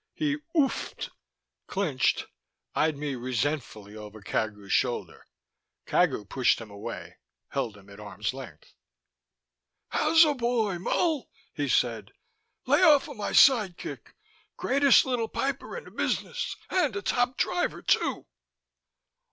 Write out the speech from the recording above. He _oof!_ed, clinched, eyed me resentfully over Cagu's shoulder. Cagu pushed him away, held him at arm's length. "Howsa boy, Mull?" he said. "Lay offa my sidekick; greatest little piper ina business, and a top driver too."